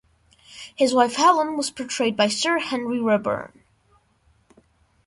His wife Helen was portrayed by Sir Henry Raeburn.